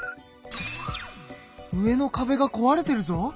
上のかべがこわれてるぞ。